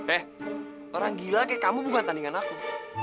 eh orang gila kayak kamu bukan tandingan aku